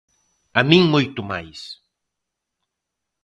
¡A min moito máis!